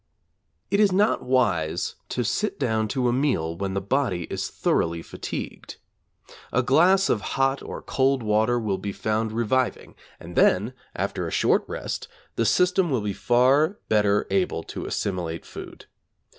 It is not wise to sit down to a meal when the body is thoroughly fatigued. A glass of hot or cold water will be found reviving, and then, after a short rest, the system will be far better able to assimilate food.